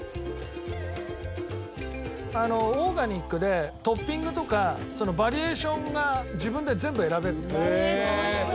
オーガニックでトッピングとかバリエーションが自分で全部選べるのよ。